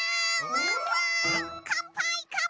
ワンワン！